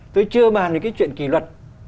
tôi chưa bàn được cái chuyện kỷ luật